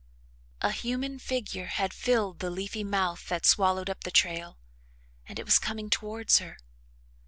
A human figure had filled the leafy mouth that swallowed up the trail and it was coming towards her.